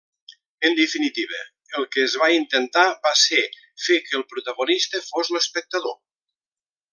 En definitiva, el que es va intentar va ser fer que el protagonista fos l'espectador.